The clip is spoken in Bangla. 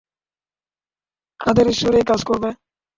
কাদের ঈশ্বর এই কাজ করবে?